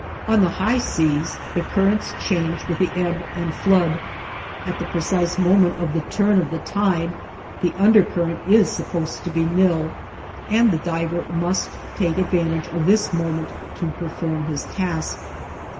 On the high seas the currents change with the ebb and flood. At the precise moment of the turn of the tide the undercurrent is supposed to be nil, and the diver must take advantage of this moment to perform his task.